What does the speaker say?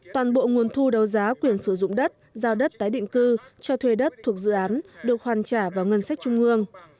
toàn bộ nguồn thu đấu giá quyền sử dụng đất giao đất tái định cư cho thuê đất thuộc dự án được hoàn trả vào ngân sách trung ương